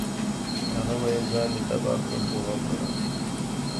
هغه ویل ځان مې تباه کړ خو غم نه راځي